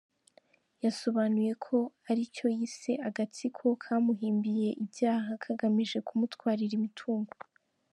Yasobanuye ko ari icyo yise agatsiko kamuhimbiye ibyaha kagamije kumutwarira imitungo.